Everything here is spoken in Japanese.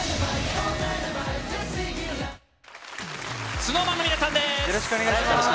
ＳｎｏｗＭａｎの皆さんです。